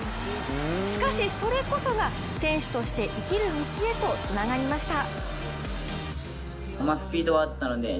しかしそれこそが選手として生きる道へとつながりました。